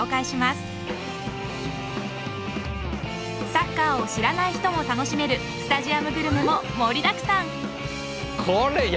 サッカーを知らない人も楽しめるスタジアムグルメも盛りだくさん。